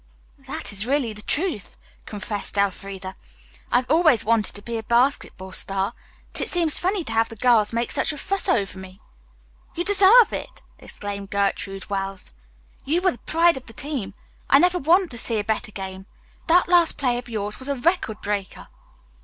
"That is really the truth," confessed Elfreda. "I've always wanted to be a basketball star, but it seems funny to have the girls make such a fuss over me." "You deserve it!" exclaimed Gertrude Wells. "You were the pride of the team. I never want to see a better game. That last play of yours was a record breaker."